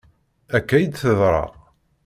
Akka i d-teḍra.